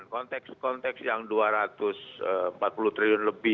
konteks konteks yang dua ratus empat puluh triliun lebih